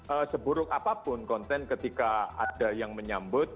agar mereka tidak menoleh anak panggung yang mereka pengguna